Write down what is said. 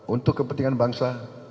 untuk kepentingan bangsa